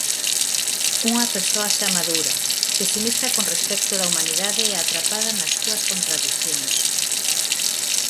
Unha persoa xa madura, pesimista con respecto da humanidade e atrapada nas súas contradicións.